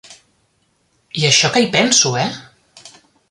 I això que hi penso, eh.